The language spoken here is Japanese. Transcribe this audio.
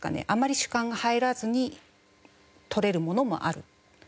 あまり主観が入らずに撮れるものもある。